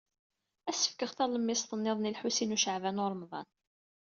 Ad as-fkeɣ talemmiẓt niḍen i Lḥusin n Caɛban u Ṛemḍan.